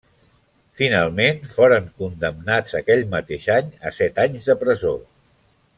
Finalment, foren condemnats, aquell mateix any, a set anys de presó.